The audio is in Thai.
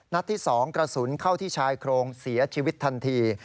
ที่๒กระสุนเข้าที่ชายโครงเสียชีวิตทันที